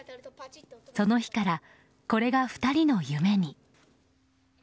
その日から、これが２人の夢に。